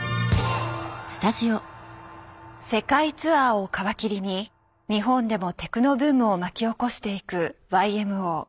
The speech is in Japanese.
世界ツアーを皮切りに日本でもテクノブームを巻き起こしていくＹＭＯ。